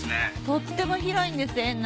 とっても広いんです園内。